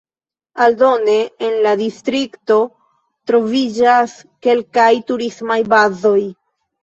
Aldone en la distrikto troviĝas kelkaj turismaj bazoj.